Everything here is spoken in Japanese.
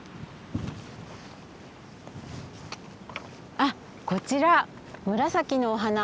あっこちら紫のお花